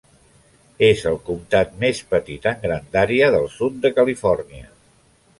És el comtat més petit en grandària del sud de Califòrnia.